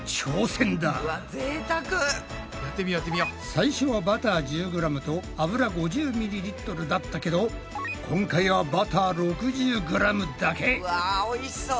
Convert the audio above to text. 最初はバター１０ｇと油５０ｍｌだったけど今回はバター６０ｇだけ。わおいしそう！